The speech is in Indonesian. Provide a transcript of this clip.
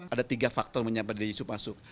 ada tiga faktor yang menyebabkan dedy yusuf masuk